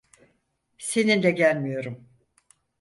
Seninle gelmiyorum.